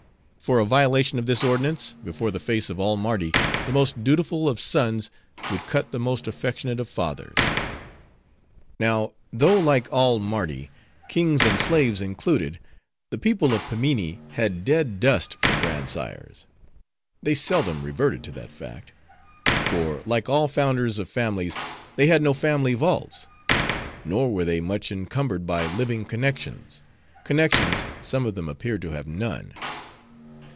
For a violation of this ordinance, before the face of all Mardi, the most dutiful of sons would cut the most affectionate of fathers. Now, though like all Mardi, kings and slaves included, the people of Pimminee had dead dust for grandsires, they seldom reverted to that fact; for, like all founders of families, they had no family vaults. Nor were they much encumbered by living connections; connections, some of them appeared to have none.